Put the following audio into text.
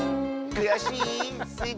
くやしい。